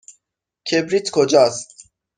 کبریت کجاست؟